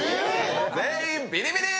全員ビリビリ！